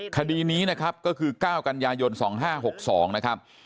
คดีนี้นะครับก็คือ๙กันยายน๒๕๖๒นะครับ